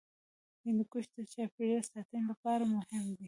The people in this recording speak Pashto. هندوکش د چاپیریال ساتنې لپاره مهم دی.